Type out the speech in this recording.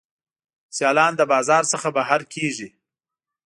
سیالان له بازار څخه بهر کیږي.